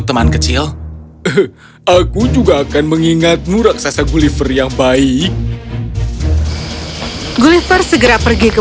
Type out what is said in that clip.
teman kecil aku juga akan mengingatmu raksasa gulliver yang baik gulliver segera pergi ke